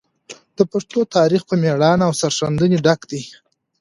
د پښتنو تاریخ په مړانه او سرښندنې ډک دی.